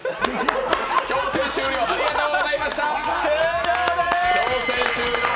強制終了、ありがとうございます。